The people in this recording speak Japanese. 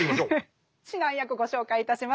指南役ご紹介いたします。